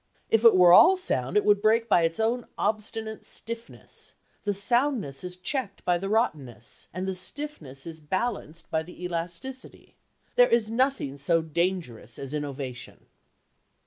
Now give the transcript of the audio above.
If it were all sound, it would break by its own obstinate stiffness: the soundness is checked by the rottenness, and the stiffness is balanced by the elasticity. There is nothing so dangerous as innovation."